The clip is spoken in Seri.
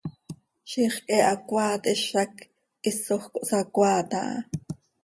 Ziix quih he hacoaat hizac hisoj cohsacoaat aha.